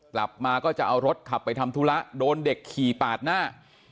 กลับมาก็จะเอารถขับไปทำธุระโดนเด็กขี่ปาดหน้า